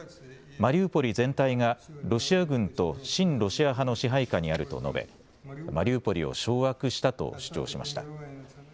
マリウポリ全体がロシア軍と親ロシア派の支配下にあると述べマリウポリを掌握したと主張しました。